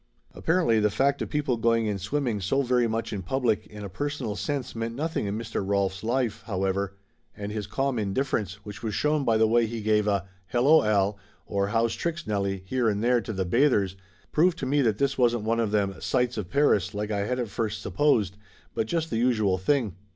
Apparently the fact of people going in swimming so very much in public in a personal sense meant nothing in Mr. Rolf's life, however, and his calm indifference, which was shown by the way he give a "Hello, Al," or "How's tricks, Nellie?" here and there to the bath ers, proved to me that this wasn't one of them Sights of Paris like I had at first supposed, but just the usual thing.